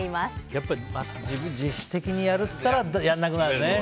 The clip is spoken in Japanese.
やっぱり自主的にやるって言ったらやらなくなるね。